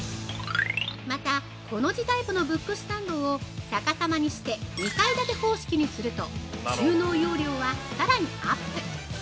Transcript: ◆また、コの字タイプのブックスタンドを逆さまにして２階建て方式にすると、収納容量はさらにアップ！！